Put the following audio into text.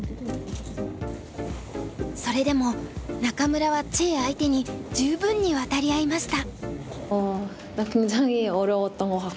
それでも仲邑はチェ相手に十分に渡り合いました。